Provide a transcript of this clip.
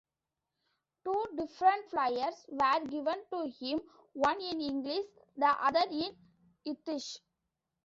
Two different flyers were given to him, one in English, the other in Yiddish.